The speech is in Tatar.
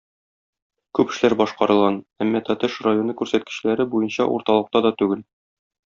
Күп эшләр башкарылган, әмма Тәтеш районы күрсәткечләре буенча урталыкта да түгел.